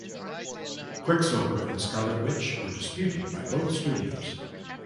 Quicksilver and Scarlet Witch were disputed by both studios.